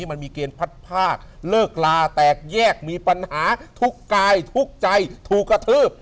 มันมีเกณฑ์พัดภาคเลิกลาแตกแยกมีปัญหาทุกกายทุกข์ใจถูกกระทืบ